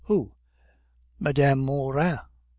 "Who?" "Mme. Morin."